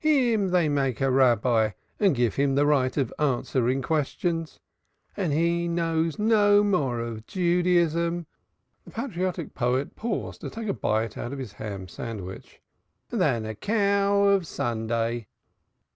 "Him they make a Rabbi and give him the right of answering questions, and he know no more of Judaism," the patriotic poet paused to take a bite out of his ham sandwich, "than a cow of Sunday.